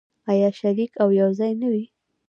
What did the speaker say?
آیا شریک او یوځای نه وي؟